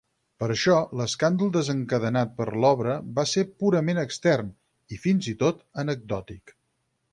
Per això, l'escàndol desencadenat per l'obra va ser purament extern i, fins i tot, anecdòtic.